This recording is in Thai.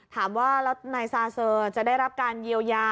ถามว่าแล้วนายซาเซอร์จะได้รับการเยียวยา